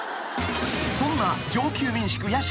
［そんな上級民宿やしき］